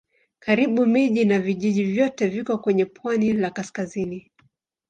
Karibu miji na vijiji vyote viko kwenye pwani la kaskazini.